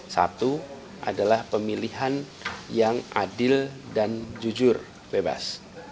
satu adalah pemilihan yang adil dan jujur bebas